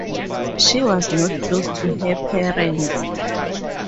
She was not close to her parents.